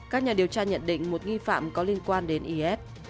các nhà điều tra nhận định một nghi phạm có liên quan đến is